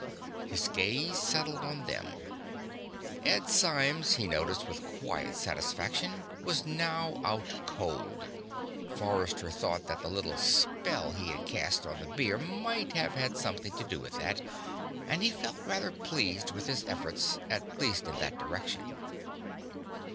His gaze settled on them. Ed Symes, he noticed with quiet satisfaction, was now out cold. Forrester thought that the little spell he had cast on the beer might have had something to do with that, and he felt rather pleased with his efforts, at least in that direction.